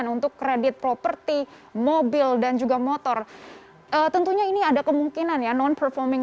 untuk kredit properti mobil dan juga motor tentunya ini ada kemungkinan ya non performing